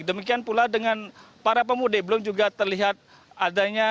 demikian pula dengan para pemudik belum juga terlihat adanya